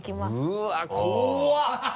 うわ怖い！